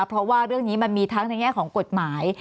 เพราะว่าเรื่องนี้มันมีทั้งในแง่ของกฎหมาย